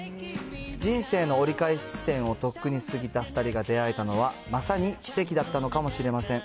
人生の折り返し地点をとっくに過ぎた２人が出会えたのは、まさに奇跡だったのかもしれません。